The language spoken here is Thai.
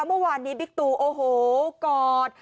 เมื่อวานนี้บิ๊กตูโอ้โหกอด